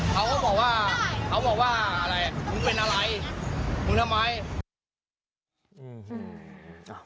เขาก็บอกว่านุ่มเป็นไรมุมทำไม